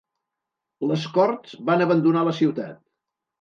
Les corts van abandonar la ciutat.